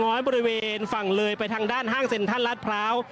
บริเวณฝั่งเลยไปทางด้านห้างเซ็นทรัลลาดพร้าว